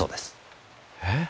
えっ？